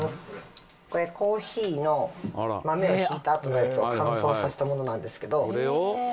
これ、コーヒーの豆をひいたあとのやつを乾燥させたものなんですけど。